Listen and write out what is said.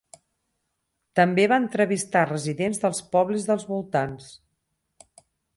També va entrevistar residents dels pobles dels voltants.